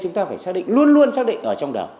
chúng ta phải xác định luôn luôn xác định ở trong đầu